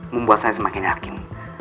membuat saya semakin yakin